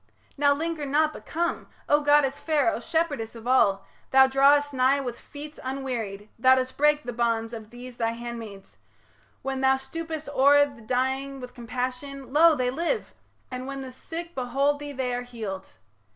Now linger not, but come! O goddess fair, O shepherdess of all, thou drawest nigh With feet unwearied... Thou dost break the bonds Of these thy handmaids... When thou stoopest o'er The dying with compassion, lo! they live; And when the sick behold thee they are healed.